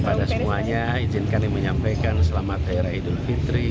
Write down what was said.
pada semuanya izinkan yang menyampaikan selamat hari idul fitri